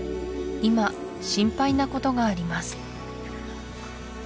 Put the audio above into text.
今心配なことがあります